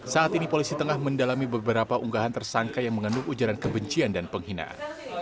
saat ini polisi tengah mendalami beberapa unggahan tersangka yang mengandung ujaran kebencian dan penghinaan